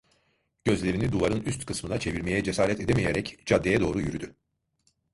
Gözlerini duvarın üst kısmına çevirmeye cesaret edemeyerek caddeye doğru yürüdü.